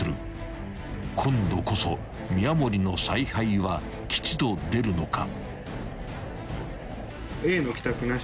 ［今度こそ宮守の采配は吉と出るのか］